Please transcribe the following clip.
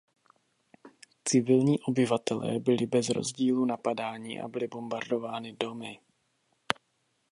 Civilní obyvatelé byli bez rozdílu napadáni a byly bombardovány domy.